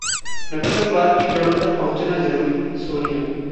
नक्सलवाद की जड़ों तक पहुंचना जरूरी: सोनिया